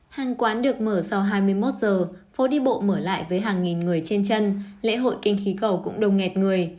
hàng quán được mở sau hai mươi một giờ phố đi bộ mở lại với hàng nghìn người trên chân lễ hội kinh khí cầu cũng đông ngẹt người